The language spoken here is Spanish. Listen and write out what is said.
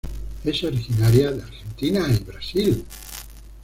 Es originaria de Argentina y Brasil.